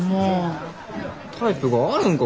タイプがあるんか？